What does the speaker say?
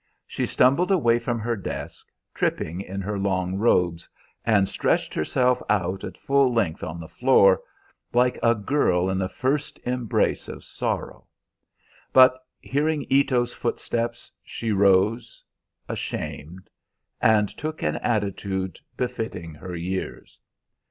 She stumbled away from her desk, tripping in her long robes, and stretched herself out at full length on the floor, like a girl in the first embrace of sorrow. But hearing Ito's footsteps, she rose ashamed, and took an attitude befitting her years.